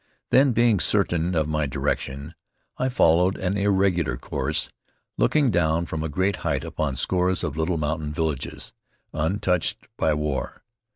Then, being certain of my direction, I followed an irregular course, looking down from a great height upon scores of little mountain villages, untouched by war.